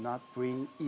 kami tidak bisa membawa